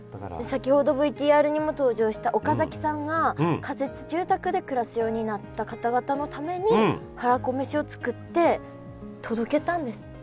先ほどＶＴＲにも登場した岡崎さんが仮設住宅で暮らすようになった方々のためにはらこめしを作って届けたんですって。